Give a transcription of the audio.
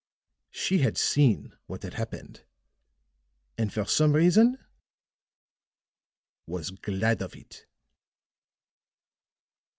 She had seen what had happened, and for some reason was glad of it.